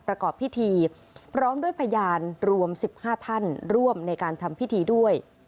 ประกอบพิธีพร้อมด้วยพยานรวม๑๕ท่านร่วมในการทำพิธีด้วย